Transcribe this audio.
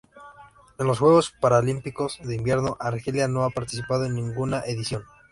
En los Juegos Paralímpicos de Invierno Argelia no ha participado en ninguna edición.